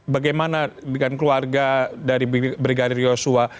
bagaimana dengan keluarga dari brigadir yosua